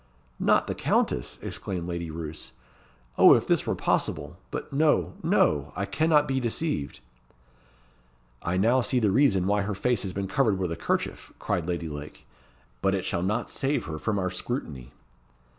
"Not the Countess!" exclaimed Lady Roos. "Oh, if this were possible! But no, no! I cannot be deceived." "I now see the reason why her face has been covered with a 'kerchief," cried Lady Lake. "But it shall not save her from our scrutiny."